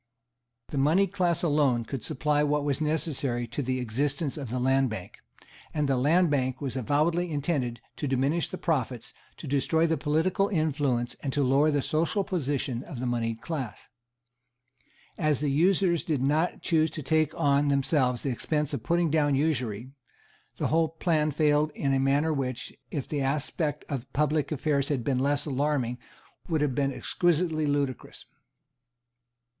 The moneyed class alone could supply what was necessary to the existence of the Land Bank; and the Land Bank was avowedly intended to diminish the profits, to destroy the political influence and to lower the social position of the moneyed class. As the usurers did not choose to take on themselves the expense of putting down usury, the whole plan failed in a manner which, if the aspect of public affairs had been less alarming, would have been exquisitely ludicrous.